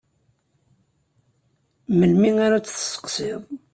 Melmi ara tt-tesseqsiḍ?